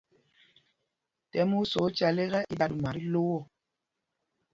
Tɛ̰m u sá ocal ekɛ, i da ɗuma ɔ tí lô.